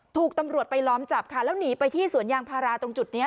ถูกตำรวจไปล้อมจับค่ะแล้วหนีไปที่สวนยางพาราตรงจุดนี้